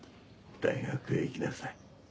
大学へ行きなさい。